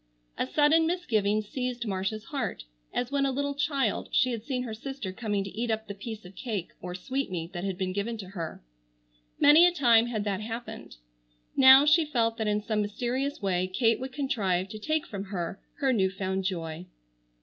A sudden misgiving seized Marcia's heart, as when a little child, she had seen her sister coming to eat up the piece of cake or sweetmeat that had been given to her. Many a time had that happened. Now, she felt that in some mysterious way Kate would contrive to take from her her new found joy.